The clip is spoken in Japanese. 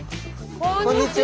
こんにちは！